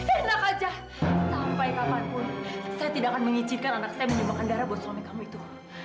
enak aja sampai kapanpun saya tidak akan mengizinkan anak saya menyumbangkan darah buat suami kamu itu